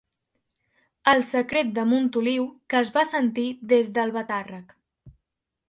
El secret de Montoliu, que es va sentir des d'Albatàrrec.